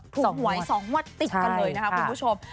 ถูกหวยสองวดติดกันเลยนะครับคุณผู้ชม